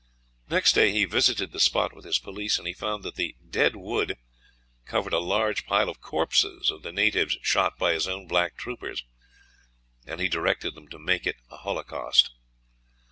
Next day he visited the spot with his police, and he found that the dead wood covered a large pile of corpses of the natives shot by his own black troopers, and he directed them to make it a holocaust.